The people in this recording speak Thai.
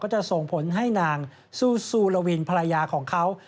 จะส่งผลให้นางซูซูลาวินภรรยาของเขา